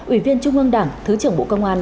ủy viên trung ương đảng thứ trưởng bộ công an